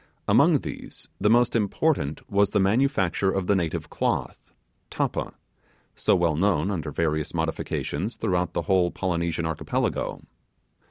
Among these the most important was the manufacture of the native cloth, 'tappa', so well known, under various modifications, throughout the whole Polynesian Archipelago.